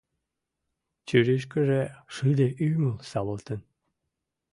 Чурийышкыже шыде ӱмыл савалтын.